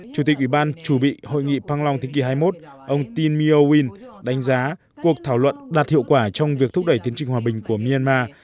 chủ tịch ủy ban chủ bị hội nghị panglong thế kỷ hai mươi một ông tin myo win đánh giá cuộc thảo luận đạt hiệu quả trong việc thúc đẩy tiến trình hòa bình của myanmar